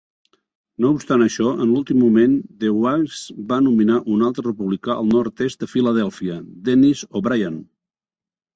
No obstant això, en l'últim moment, DeWeese va nominar un altre republicà del nord-est de Filadèlfia, Dennis O'Brien.